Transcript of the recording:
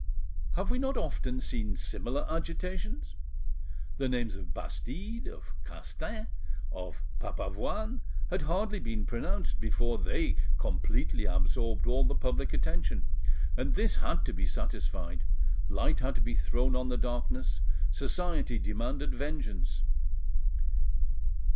Have we not often seen similar agitations? The names of Bastide, of Castaing, of Papavoine, had hardly been pronounced before they completely absorbed all the public attention, and this had to be satisfied, light had to be thrown on the darkness: society demanded vengeance.